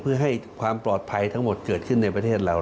เพื่อให้ความปลอดภัยทั้งหมดเกิดขึ้นในประเทศเรา